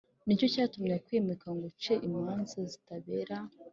Ni cyo cyatumye akwimika ngo uce imanza zitabera